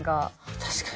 確かに。